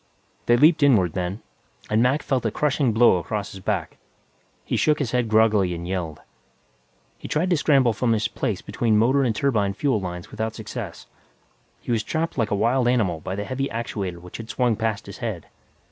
They leaped inward, then, and Mac felt a crushing blow across his back. He shook his head groggily and yelled. He tried to scramble from his place between motor and turbine fuel lines without success; he was trapped like a wild animal by the heavy actuator which had swung past his head.